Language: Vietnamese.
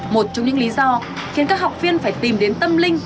một trong những lý do khiến các học viên phải tìm đến tâm linh